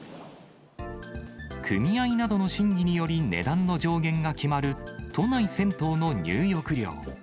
組合などの審議により、値段の上限が決まる都内銭湯の入浴料。